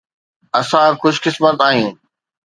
اسان خوش قسمت آهيون.